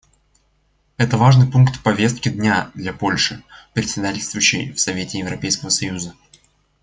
Это важный пункт повестки дня для Польши, председательствующей в Совете Европейского союза.